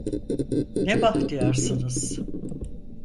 Ne bahtiyarsınız